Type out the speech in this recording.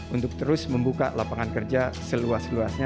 untuk terus membuka lapangan kerja seluas luasnya